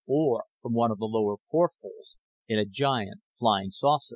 Or from one of the lower portholes in a giant flying saucer.